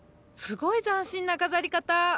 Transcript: すごい斬新な飾り方！